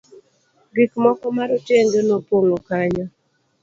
gik moko ma rotenge nopong'o kanyo